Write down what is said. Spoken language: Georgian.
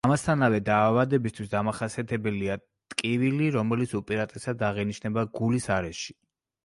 ამასთანავე, დაავადებისთვის დამახასიათებელია ტკივილი, რომელიც უპირატესად აღინიშნება გულის არეში.